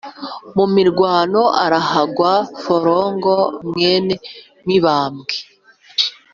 mu mirwano arahagwa forongo mwene mibambwe i,